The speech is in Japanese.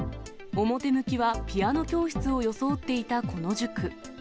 表向きはピアノ教室を装っていたこの塾。